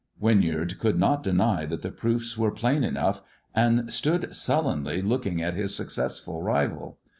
'' Winyard could not deny that the proofs were plain enough, and stood sullenly looking at his successful rival.